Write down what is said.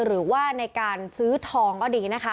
หรือว่าในการซื้อทองก็ดีนะคะ